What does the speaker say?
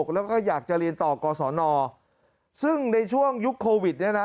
แล้วก็อยากจะเรียนต่อกศนซึ่งในช่วงยุคโควิดเนี่ยนะ